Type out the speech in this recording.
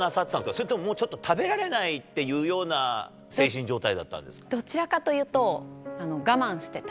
それとももうちょっと食べられないっていうような精神状態だったどちらかというと、我慢してた。